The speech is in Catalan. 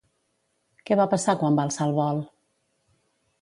Què va passar quan va alçar el vol?